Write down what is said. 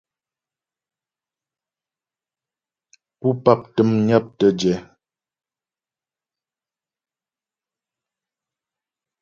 Pú pap təm nyaptə jɛ.